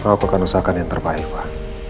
aku akan usahakan yang terbaik pak